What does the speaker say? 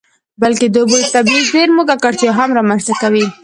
بلکې د اوبو د طبیعي زیرمو ککړتیا هم رامنځته کوي.